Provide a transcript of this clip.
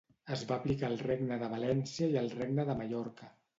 Es va aplicar al Regne de València i al Regne de Mallorca.